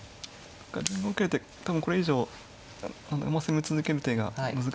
銀を受ける手多分これ以上攻め続ける手が難しいので。